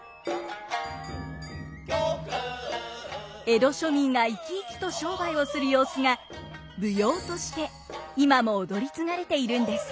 江戸庶民がいきいきと商売をする様子が舞踊として今も踊り継がれているんです。